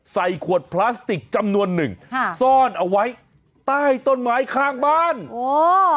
ใส่ขวดพลาสติกจำนวนหนึ่งค่ะซ่อนเอาไว้ใต้ต้นไม้ข้างบ้านโอ้